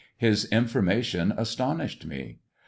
His information astonished me.